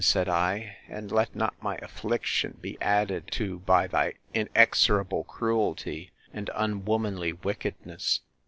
said I, and let not my affliction be added to by thy inexorable cruelty, and unwomanly wickedness.